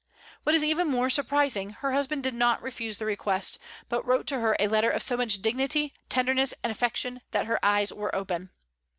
What is even more surprising, her husband did not refuse the request, but wrote to her a letter of so much dignity, tenderness, and affection that her eyes were opened.